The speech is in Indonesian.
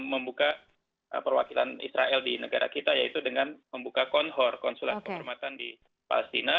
membuka perwakilan israel di negara kita yaitu dengan membuka konhor konsulat kehormatan di palestina